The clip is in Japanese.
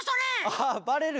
あっバレる？